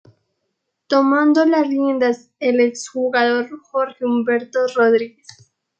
Tomando las riendas el ex jugador Jorge Humberto Rodríguez.